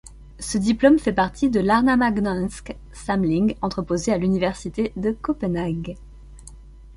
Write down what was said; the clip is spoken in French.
Ce diplôme fait partie de l'Arnamagnæanske Samling entreposé à l'Université de Copenhague.